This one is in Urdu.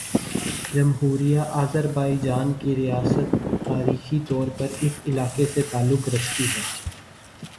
جمہوریہ آذربائیجان کی ریاست تاریخی طور پر اس علاقے سے تعلق رکھتی ہے